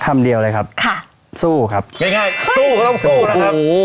คำเดียวเลยครับค่ะสู้ครับง่ายง่ายสู้เขาต้องสู้นะครับโอ้โห